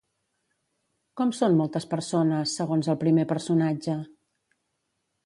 Com són moltes persones, segons el primer personatge?